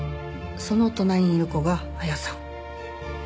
その隣にいる子が綾さん。